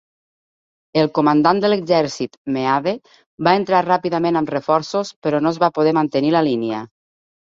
El comandant de l'exèrcit, Meade, va entrar ràpidament amb reforços però no es va poder mantenir la línia.